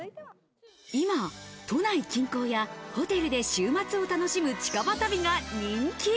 今、都内近郊やホテルで週末を楽しむ近場旅が人気。